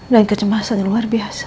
dan kecemasan yang luar biasa